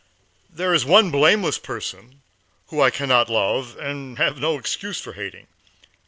There is one blameless person whom I can not love and have no excuse for hating.